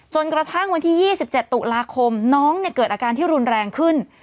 จนกระทั่งวันที่๒๗ตุลาคมน้องเกิดอาการที่รุนแรงขึ้น